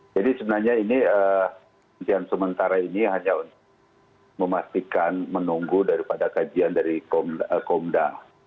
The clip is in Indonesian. jadi sebenarnya ini kejadian sementara ini hanya untuk memastikan menunggu daripada kajian dari komda